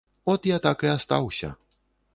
От я так і астаўся.